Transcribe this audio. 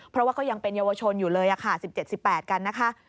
เพราะว่าก็ยังเป็นเยาวชนอยู่เลยค่ะ๑๗๑๘กันนะคะ